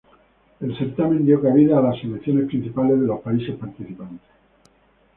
El certamen dio cabida a las selecciones principales de los países participantes.